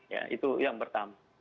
ya itu yang pertama